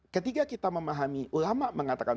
ketika kita memahami ulama mengatakan